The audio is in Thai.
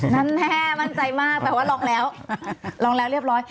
แน่มั่นใจมากแปลว่าลองแล้วลองแล้วเรียบร้อย